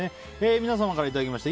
皆様からいただきました